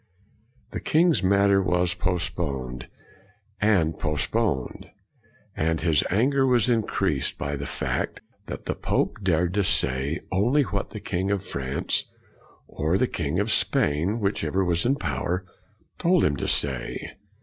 The king's matter was postponed and post poned; and his anger was increased by the fact that the pope dared to say only what the king of France or the king of Spain, whichever was in power, told him to say.